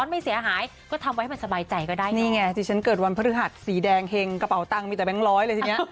มีแต่แบงค์ร้อยเลยทีเนี้ย